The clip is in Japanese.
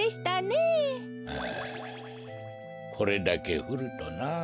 あこれだけふるとなあ。